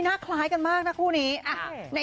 เห้ยน่าคล้ายกันมากเพราะเนี่ยคู่นี้